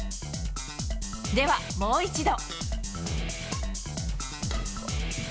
では、もう一度。